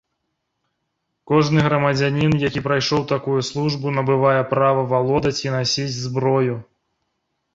Кожны грамадзянін, які прайшоў такую службу, набывае права валодаць і насіць зброю.